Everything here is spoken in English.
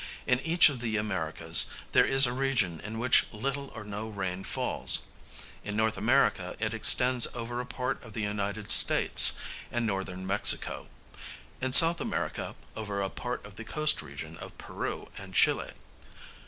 In each of the Americas there is a region in which little or no rain falls; in N. America it extends over a part of the United States and Northern Mexico, in S. America over a part of the coast region of Peru and Chile.